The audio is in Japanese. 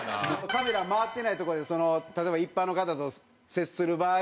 カメラ回ってないとこで例えば一般の方と接する場合。